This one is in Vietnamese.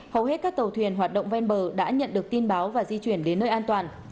hầu hết các tàu thuyền hoạt động ven bờ đã nhận được tin báo và di chuyển đến nơi an toàn